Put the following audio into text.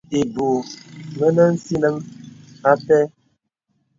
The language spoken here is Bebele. Məpɛ̂p ìbūū mìnə̀ mvinəŋ ā pɛ̂.